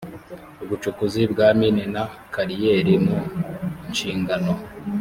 ubucukuzi bwa mine na kariyeri mu nshingano